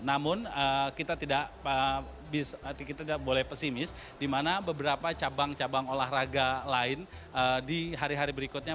namun kita tidak boleh pesimis di mana beberapa cabang cabang olahraga lain di hari hari berikutnya